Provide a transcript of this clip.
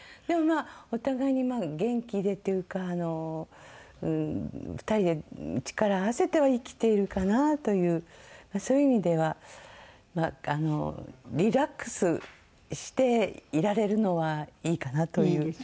でもまあお互いに元気でっていうか２人で力合わせては生きているかなというそういう意味ではリラックスしていられるのはいいかなという。